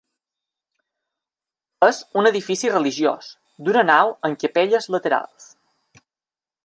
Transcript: És un edifici religiós d'una nau amb capelles laterals.